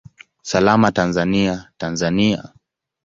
Salama Tanzania, Tanzania!